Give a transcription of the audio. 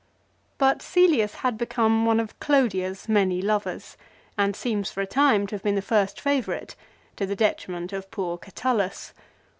But Cselius had become one of Clodia's many lovers, and seems for a time to have been the first favourite, to the detriment of poor Catullus.